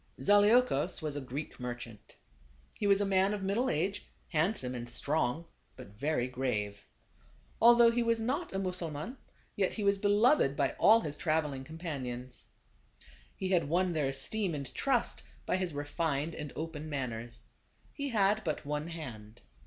Zaleukos was a Greek merchant. He was a man of middle age, handsome and strong, but very grave. Although he was not a Mussulman, yet he was beloved by all his traveling com THE CAB AVAN. 127 panions. He had won their esteem and trust by his refined and open manners. He had but one hand.